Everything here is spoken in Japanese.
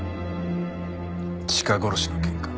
チカ殺しの件か？